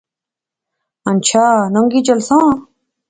ہنچھا ننگی چلساں